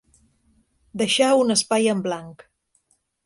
Deixar un espai en blanc.